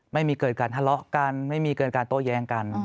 ไม่มีเกิดการทะเลาะกันไม่มีเกิดการโต้แย้งกัน